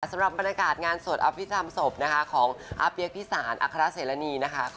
สำหรับบรรยากาศงานสดอภิกษ์ธรรมศพของอภิกษ์ภิกษานอคราเสรณี